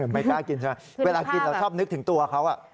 ไม่กล้ากินใช่ไหมเวลากินเราชอบนึกถึงตัวเขา